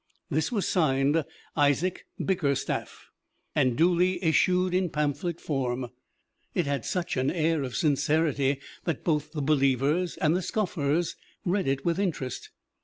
This was signed, "Isaac Bickerstaff," and duly issued in pamphlet form. It had such an air of sincerity that both the believers and the scoffers read it with interest.